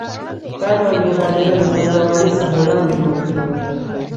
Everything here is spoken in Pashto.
دا ډول مبادله له پانګوالۍ څخه وړاندې موجوده وه